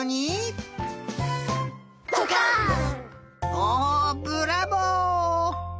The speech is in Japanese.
おブラボー！